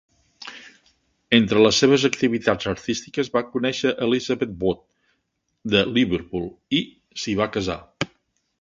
Entre les seves activitats artístiques, va conèixer Elizabeth Wood de Liverpool i s'hi va casar.